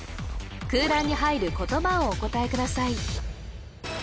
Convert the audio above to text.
空欄に入る言葉をお答えください